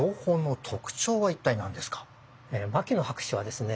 牧野博士はですね